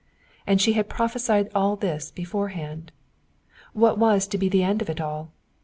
And she had prophesied all this beforehand. What was to be the end of it all?